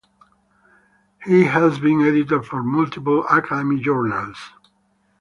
He has been editor for multiple academic journals.